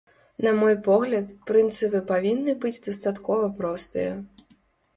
На мой погляд, прынцыпы павінны быць дастаткова простыя.